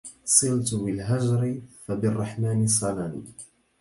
صلت بالهجر فبالرحمن صلني